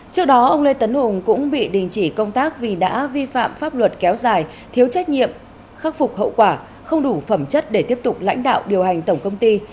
trước đó ông lê tấn hùng cũng bị đình chỉ công tác vì đã vi phạm pháp luật kéo dài thiếu trách nhiệm khắc phục hậu quả không đủ phẩm chất để tiếp tục lãnh đạo điều hành tổng công ty